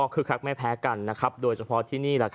คือคักไม่แพ้กันโดยเฉพาะที่นี่